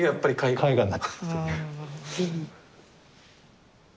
絵画になってると。